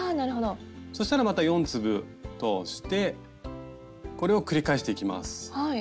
そしたらまた４粒通してこれを繰り返していきます。